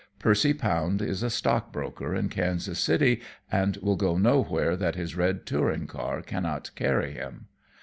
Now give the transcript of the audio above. Percy Pound is a stockbroker in Kansas City and will go nowhere that his red touring car cannot carry him.